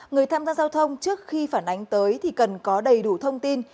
người tham gia giao thông trước khi phản ánh tới thì cần có đầy đủ thông tin